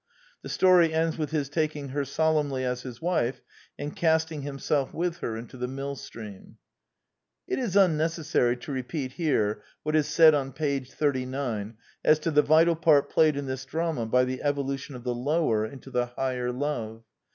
The story ends with his taking her solemnly as his wife, and casting himself with her into the millstream. It is unnecessary to repeat here what is said on page 39 as to the vital part played in this drama by the evolution of the lower into the higher love.